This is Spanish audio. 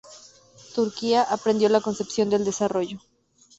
Turquía aprendió la concepción del desarrollo.